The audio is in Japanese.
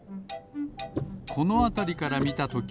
このあたりからみたとき